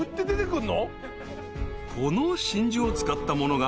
［この真珠を使ったものが］